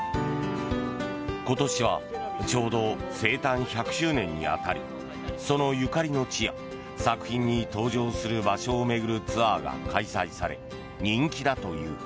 今年はちょうど生誕１００周年に当たりそのゆかりの地や作品に登場する場所を巡るツアーが開催され人気だという。